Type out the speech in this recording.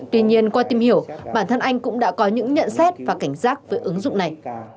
tuy nhiên qua tìm hiểu bản thân anh cũng đã có những nhận xét và cảnh giác với ứng dụng này